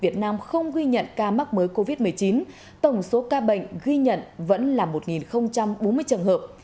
ca mắc mới covid một mươi chín tổng số ca bệnh ghi nhận vẫn là một bốn mươi trường hợp